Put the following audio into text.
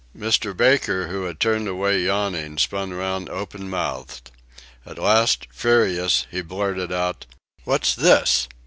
Mr. Baker, who had turned away yawning, spun round open mouthed. At last, furious, he blurted out: "What's this?